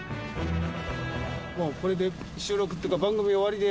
もうこれで収録っていうか番組終わりで。